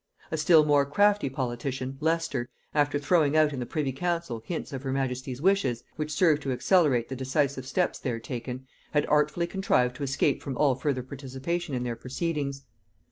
A still more crafty politician, Leicester, after throwing out in the privy council hints of her majesty's wishes, which served to accelerate the decisive steps there taken, had artfully contrived to escape from all further participation in their proceedings.